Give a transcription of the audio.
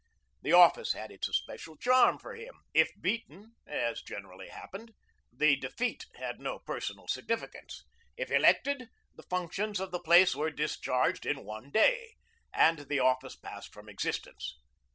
The office had its especial charm for him; if beaten, as generally happened, the defeat had no personal significance; if elected, the functions of the place were discharged in one day, and the office passed from existence.